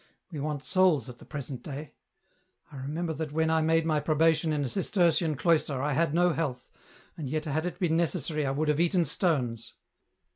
We want souls at the present day. I remember that when I made my probation in a Cistercian cloister I had no health, and yet had it been necessary I would have eaten stones